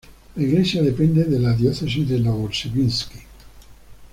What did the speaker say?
La iglesia depende de la diócesis de Novosibirsk.